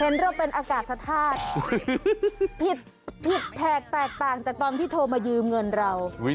มันกลับกันจริงนะ